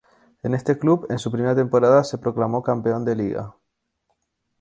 En este club, en su primera temporada, se proclamó campeón de Liga.